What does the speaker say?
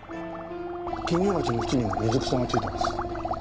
金魚鉢の縁にも水草が付いています。